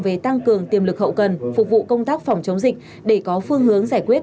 về tăng cường tiềm lực hậu cần phục vụ công tác phòng chống dịch để có phương hướng giải quyết